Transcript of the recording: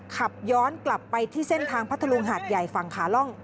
ขับย้อนกลับไปที่เส้นทางพัทธรุงหาดใหญ่ฝั่งขาล่อง